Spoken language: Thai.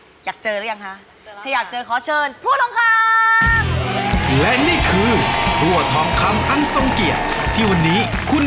อุปกรณ์ในการตักของคุณเนยวันนี้